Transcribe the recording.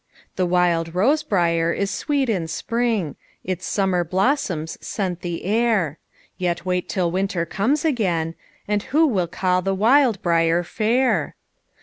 The wild rose briar is sweet in spring, Its summer blossoms scent the air; Yet wait till winter comes again, And who will call the wild briar fair?